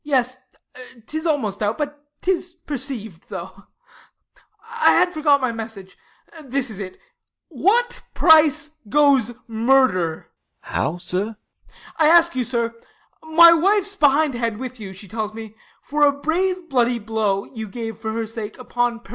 Yes, 'tis almost out, but 'tis perceiv'd, though. I had forgot my message ; this it is : I oo What price goes murder ? DeF. How, sir? Ah. I ask you, sir; My wife's behindhand with you, she tells me, For a brave bloody blow you gave for her sake Upon Piracquo.